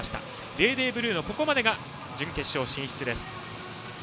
デーデー・ブルーノまでが準決勝進出です。